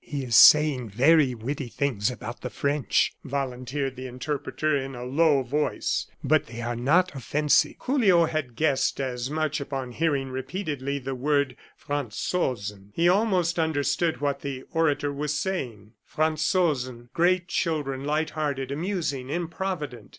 "He is saying very witty things about the French," volunteered the interpreter in a low voice, "but they are not offensive." Julio had guessed as much upon hearing repeatedly the word Franzosen. He almost understood what the orator was saying "Franzosen great children, light hearted, amusing, improvident.